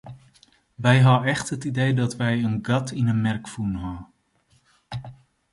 Wy hawwe echt it idee dat wy in gat yn 'e merk fûn hawwe.